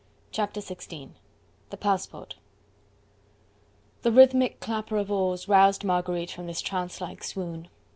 Chapter XVI: The Passport The rhythmic clapper of oars roused Marguerite from this trance like swoon.